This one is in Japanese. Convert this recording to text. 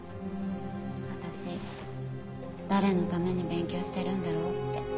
私誰のために勉強してるんだろうって。